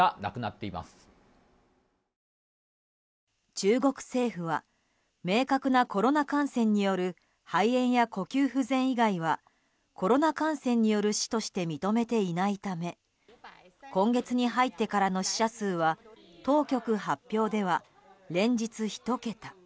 中国政府は明確なコロナ感染による肺炎や呼吸不全以外はコロナ感染による死として認めていないため今月に入ってからの死者数は当局発表では連日１桁。